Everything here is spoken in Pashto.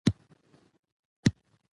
کلي د افغانانو ژوند اغېزمن کوي.